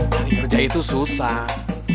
cari kerja itu susah